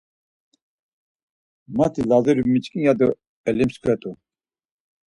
Mati Lazuri miçkin ya do elimsket̆u.